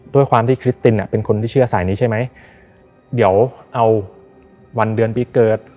ด้วยความที่คริสตินอ่ะเป็นคนที่เชื่อสายนี้ใช่ไหมเดี๋ยวเอาวันเดือนปีเกิด